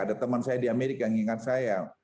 ada teman saya di amerika yang ingat saya